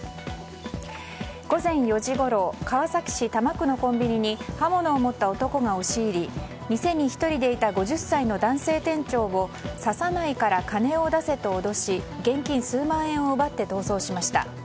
午前４時ごろ川崎市多摩区のコンビニに刃物を持った男が押し入り店に１人でいた５０歳の男性店長を刺さないから金を出せと脅し現金数万円を奪って逃走しました。